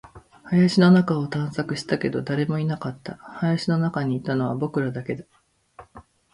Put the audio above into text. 林の中を探索したけど、誰もいなかった。林の中にいたのは僕らだけ。